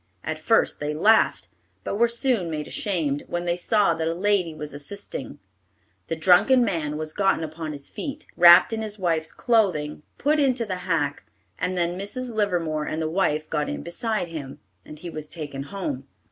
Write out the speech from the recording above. At first they laughed, but were soon made ashamed, when they saw that a lady was assisting. The drunken man was gotten upon his feet, wrapped in his wife's clothing, put into the hack, and then Mrs. Livermore and the wife got in beside him, and he was taken home.